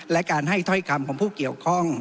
และการให้ถ้อยคำของผู้เกี่ยวข้อง